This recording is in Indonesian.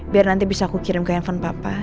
biar nanti bisa aku kirim ke handphone papa